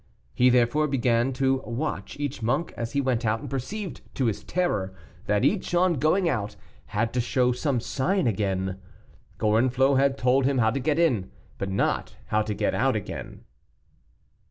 He therefore began to watch each monk as he went out, and perceived to his terror that each, on going out, had to show some sign again. Gorenflot had told him how to get in, but not how to get out again.